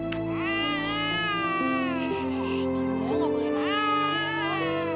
tunggu sebentar ya